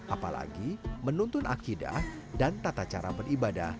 apalagi menuntun akidah dan tata cara beribadah